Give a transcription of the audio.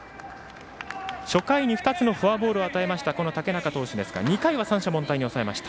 初回の２つのフォアボールを与えました竹中投手ですが２回は三者凡退に抑えました。